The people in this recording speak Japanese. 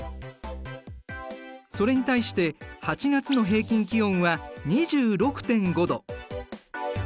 それに対して８月の平均気温は２６．５度。